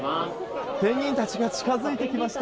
ペンギンたちが近づいてきました。